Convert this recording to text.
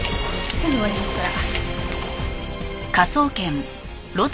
すぐ終わりますから。